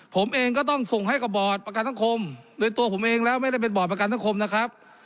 ผมเองก็ต้องส่งให้กับบอร์ดประกันสังคมโดยตัวผมเองแล้วไม่ได้เป็นบอร์ดประกันสังคมนะครับ